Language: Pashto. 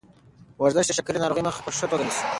ورزش د شکرې ناروغۍ مخه په ښه توګه نیسي.